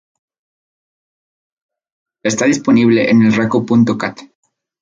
Está disponible en el raco.cat.